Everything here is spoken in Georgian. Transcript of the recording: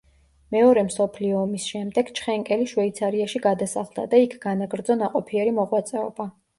მეორე მსოფლიო ომის შემდეგ ჩხენკელი შვეიცარიაში გადასახლდა და იქ განაგრძო ნაყოფიერი მოღვაწეობა.